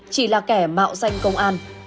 chỉ là kẻ mạo danh công an